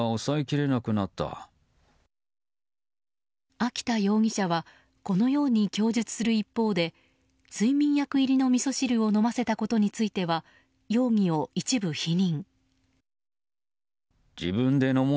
秋田容疑者はこのように供述する一方で睡眠薬入りのみそ汁を飲ませたことについては容疑を一部否認。